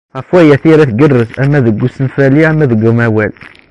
Ɣef waya, tira tgerrez ama deg usenfali ama deg umawal.